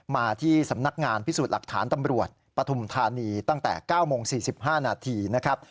มาที่สำนักงานพิสูจน์หลักฐานตำรวจปฐุมธานีตั้งแต่๙โมง๔๕นาทีนะครับ